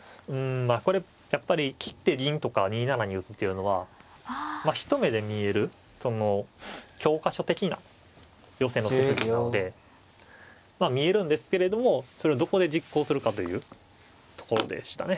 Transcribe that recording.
まあこれやっぱり切って銀とか２七に打つっていうのは一目で見えるその教科書的な寄せの手筋なので見えるんですけれどもそれをどこで実行するかというところでしたね。